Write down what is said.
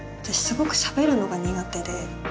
すごくしゃべるのが苦手で。